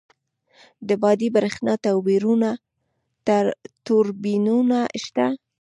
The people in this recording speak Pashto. د بادی بریښنا توربینونه شته؟